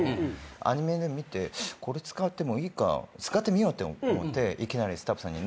アニメで見てこれ使ってもいいか使ってみようって思っていきなりスタッフさんに。